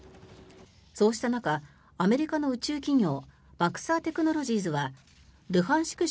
そうした中、アメリカの宇宙企業マクサー・テクノロジーズはルハンシク